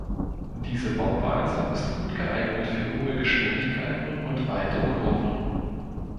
Diese Bauweise ist gut geeignet für hohe Geschwindigkeiten und weite Kurven.